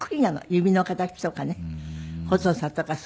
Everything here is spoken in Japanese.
指の形とかね細さとかそういうのが。